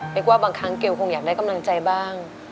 กว่าบางครั้งเกลคงอยากได้กำลังใจบ้าง